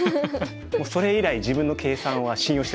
もうそれ以来自分の計算は信用してないです。